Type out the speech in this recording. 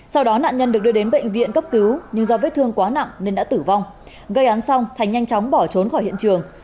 sau đó nạn nhân được đưa đến bệnh viện cấp cứu nhưng do vết thương quá nặng nên đã tử vong gây án xong thành nhanh chóng bỏ trốn khỏi hiện trường